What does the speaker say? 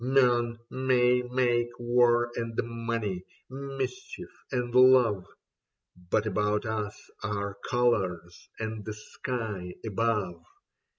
Men may make war and money, mischief and love —, But about us are colours and the sky above.